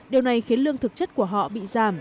điều này khiến lương thực chất của họ bị giảm